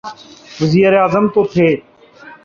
وزیراعظم تو تھے۔